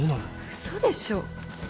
嘘でしょ。